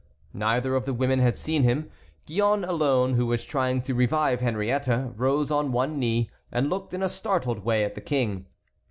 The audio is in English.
Neither of the women had seen him. Gillonne alone, who was trying to revive Henriette, rose on one knee, and looked in a startled way at the King.